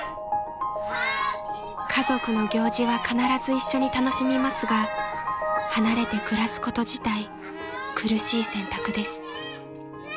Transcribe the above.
［家族の行事は必ず一緒に楽しみますが離れて暮らすこと自体苦しい選択です］